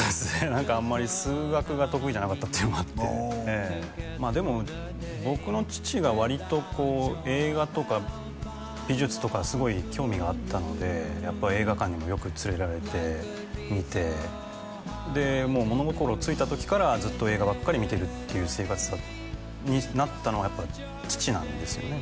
何かあんまり数学が得意じゃなかったっていうのもあってでも僕の父が割とこう映画とか美術とかすごい興味があったのでやっぱり映画館にもよく連れられて見てでもう物心ついた時からずっと映画ばっかり見てるっていう生活になったのはやっぱ父なんですよね